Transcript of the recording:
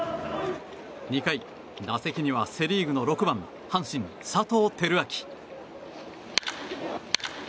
２回、打席にはセ・リーグの６番阪神、佐藤輝明。